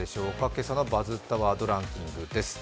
今朝の「バズったワードランキング」です。